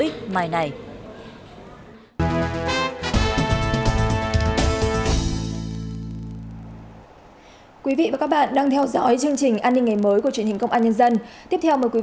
cảm ơn các bạn đã theo dõi và hẹn gặp lại